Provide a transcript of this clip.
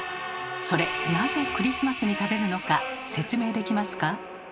それなぜクリスマスに食べるのか説明できますか？